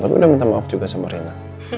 tapi udah minta maaf juga sama rina